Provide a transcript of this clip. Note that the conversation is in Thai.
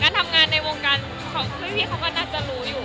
ทำงานในวงการของพี่เขาก็น่าจะรู้อยู่